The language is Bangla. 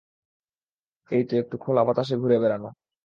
এইতো একটু খোলা বাতাসে ঘুরে বেড়ানো।